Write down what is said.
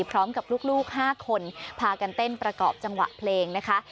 พร้อมกับลูก๕คนพากันเต้นประกอบจังหวะเพลงนะคะ